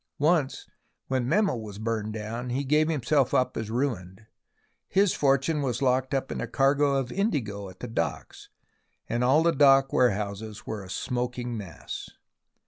Once, when Memel was burned down, he gave himself up as ruined. His fortune was locked up in a cargo of indigo at the docks, and all the dock warehouses were a smoking mass.